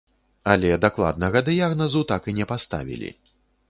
Але дакладнага дыягназу так і не паставілі.